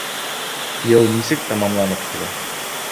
— Йыл нисек тамамланып килә?